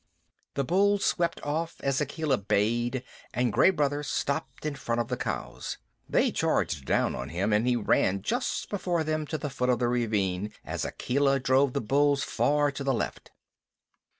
The bulls swept off as Akela bayed, and Gray Brother stopped in front of the cows. They charged down on him, and he ran just before them to the foot of the ravine, as Akela drove the bulls far to the left.